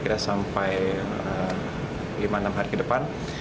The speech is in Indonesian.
kondisi ini terjadi hingga enam hari ke depan